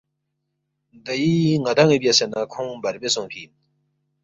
دئی ن٘دان٘ی بیاسے نہ کھونگ بربے سونگفی اِن